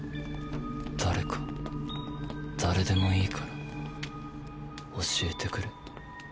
誰か誰でもいいから教えてくれ。